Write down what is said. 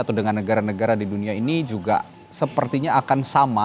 atau dengan negara negara di dunia ini juga sepertinya akan sama